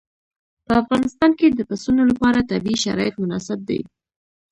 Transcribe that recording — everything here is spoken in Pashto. په افغانستان کې د پسونو لپاره طبیعي شرایط مناسب دي.